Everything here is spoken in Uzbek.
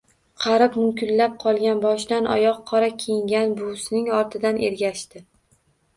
Qarib-munkillab qolgan, boshdan-oyoq qora kiyingan buvisining ortidan ergashdi…